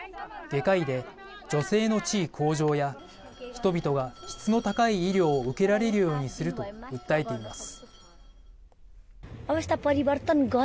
外科医で女性の地位向上や人々が質の高い医療を受けられるようにすると訴えています。